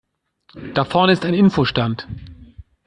Da vorne ist ein Info-Stand.